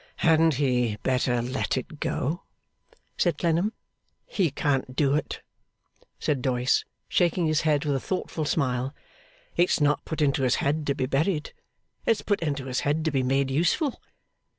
'Hadn't he better let it go?' said Clennam. 'He can't do it,' said Doyce, shaking his head with a thoughtful smile. 'It's not put into his head to be buried. It's put into his head to be made useful.